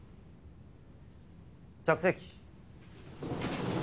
着席。